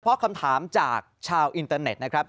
เพราะคำถามจากชาวอินเตอร์เน็ตนะครับ